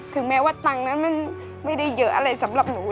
ถึงแม้ว่าตังค์นั้นมันไม่ได้เยอะอะไรสำหรับหนู